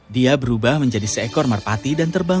dia berubah menjadi seekor merpati dan terbang